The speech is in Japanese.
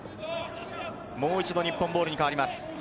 もう一度、日本ボールに変わります。